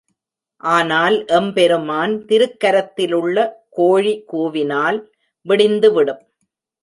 ஆனால் எம்பெருமான் திருக்கரத்திலுள்ள கோழி கூவினால் விடிந்துவிடும்.